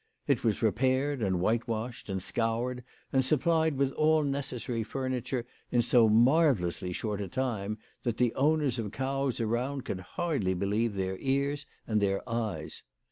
It was repaired and whitewashed, and scoured and supplied with all necessary furniture in so marvellously short a time, that the owners of cows around could hardly believe their ears and their eyes.